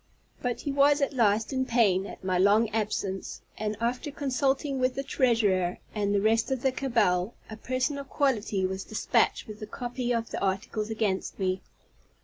But he was at last in pain at my long absence; and, after consulting with the treasurer and the rest of the cabal, a person of quality was dispatched with the copy of the articles against me.